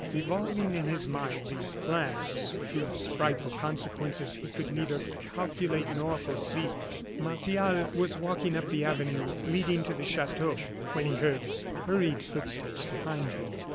Revolving in his mind these plans, whose frightful consequences he could neither calculate nor foresee, Martial was walking up the avenue leading to the chateau, when he heard hurried footsteps behind him.